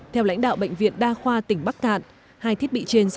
theo lãnh đạo bệnh viện đa khoa tỉnh bắc cạn